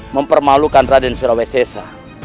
mempermalukan raden surawi sesa